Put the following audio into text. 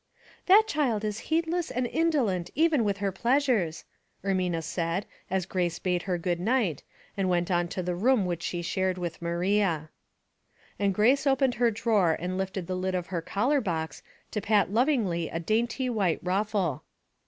" That child is heedless and indolent even with her pleasures," Ermina said, as Grace bade her good night, and went on to the room which she shared with Maria. And Grace opened her drawer and lifted the lid of her collar box to pat lovingly a dainty white ruffle.